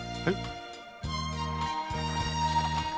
えっ？